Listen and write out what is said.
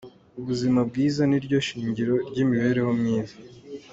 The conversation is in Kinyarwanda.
Ubuzima bwiza niryo shingiro ry’imibereho myiza.